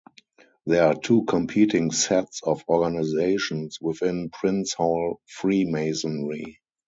There are two competing sets of organizations within Prince Hall Freemasonry.